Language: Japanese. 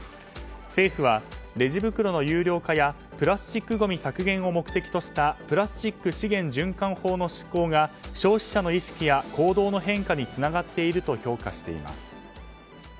政府は、レジ袋の有料化やプラスチックごみ削減を目的としたプラスチック資源循環法の施行が消費者の意識や行動の変化につながっていると評価しています。